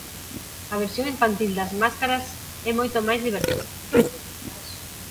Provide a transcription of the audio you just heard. A versión infantil das máscaras é moito máis divertida.